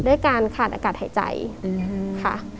ด้วยการขาดอากาศหายใจอืมค่ะ